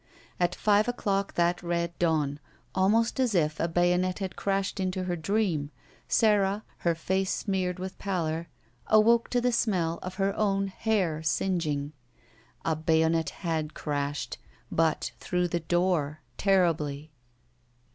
At five o'clock that red dawn, almost as if a bay onet had crashed into her dream, Sara, her face smeared with pallor, awoke to the smell of her own hair singeing. A bayonet had crashed, but through the door, terribly